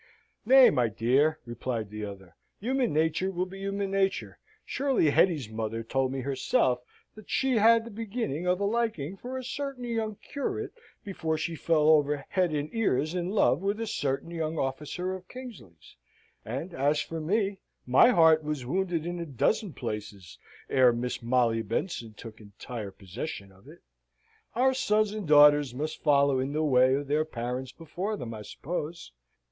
"Nay, my dear," replied the other. "Human nature will be human nature; surely Hetty's mother told me herself that she had the beginning of a liking for a certain young curate before she fell over head and ears in love with a certain young officer of Kingsley's. And as for me, my heart was wounded in a dozen places ere Miss Molly Benson took entire possession of it. Our sons and daughters must follow in the way of their parents before them, I suppose.